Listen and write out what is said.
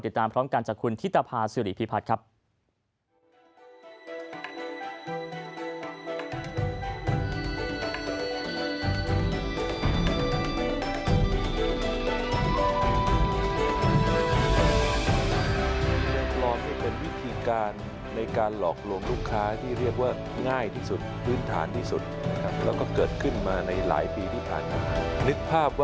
ติดตามพร้อมกันจากคุณธิตภาษิริพิพัฒน์ครับ